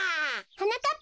はなかっ